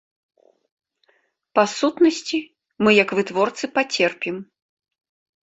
Па сутнасці, мы як вытворцы пацерпім.